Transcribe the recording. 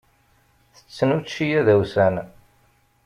Ttetten učči adawsan.